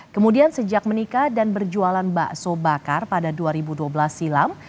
kemudian sejak menikah dan berjualan bakso bakar pada dua ribu dua belas silam